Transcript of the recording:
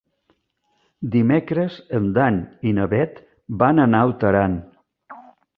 Dimecres en Dan i na Bet van a Naut Aran.